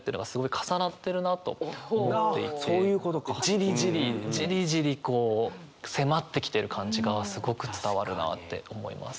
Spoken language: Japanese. ジリジリジリジリこう迫ってきてる感じがすごく伝わるなって思います。